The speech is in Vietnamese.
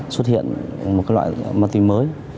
xuất hiện một loại ma túy mới